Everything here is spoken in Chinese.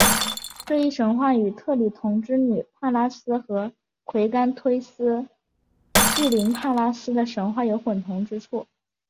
这一神话与特里同之女帕拉斯和癸干忒斯巨灵帕拉斯的神话有混同之处。